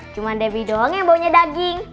cuma debbie doang yang bawanya daging